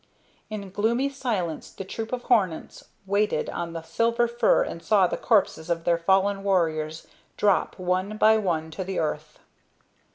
In gloomy silence the troop of hornets waited on the silver fir and saw the corpses of their fallen warriors drop one by one to the earth.